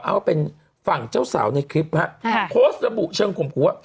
เอาเป็นฝั่งเจ้าสาวในคลิปครับโพสต์ระบุเชิงข่มหัว